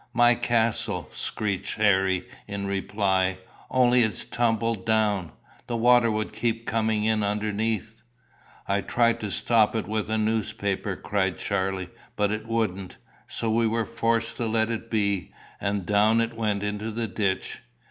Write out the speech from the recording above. "My castle," screeched Harry in reply; "only it's tumbled down. The water would keep coming in underneath." "I tried to stop it with a newspaper," cried Charlie, "but it wouldn't. So we were forced to let it be, and down it went into the ditch."